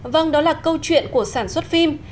vâng đó là câu chuyện của sản xuất phim